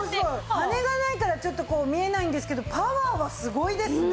羽根がないからちょっとこう見えないんですけどパワーはすごいですね。